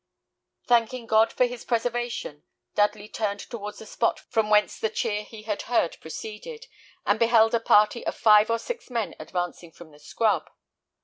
Thanking God for his preservation, Dudley turned towards the spot from whence the cheer he had heard proceeded, and beheld a party of five or six men advancing from the scrub.